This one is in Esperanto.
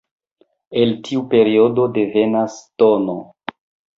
El tiu periodo devenas tn.